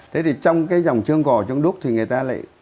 thế thì trong cái dòng chiêng gò chiêng đúc thì người ta lại